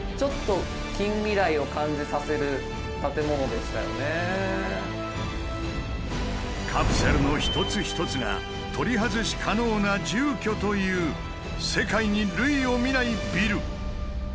やっぱりカプセルの一つ一つが「取り外し可能な住居」という世界に類を見ないビル。